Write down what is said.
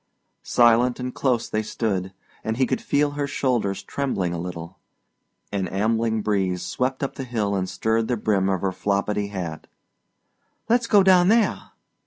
Silent and close they stood, and he could feel her shoulders trembling a little. An ambling breeze swept up the hill and stirred the brim of her floppidy hat. "Let's go down there!"